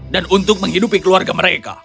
dan untuk menghidupi keluarga mereka